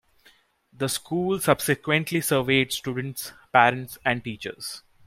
The school subsequently surveyed students, parents, and teachers.